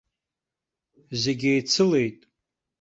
Зегь еицылеит.